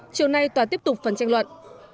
chiều nay tòa tiếp tục phần tranh luận